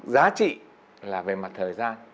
giá trị là về mặt thời gian